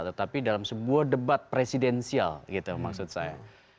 tetapi dalam sebuah debat presidensial gitu maksud saya